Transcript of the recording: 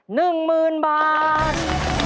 ๑หมื่นบาท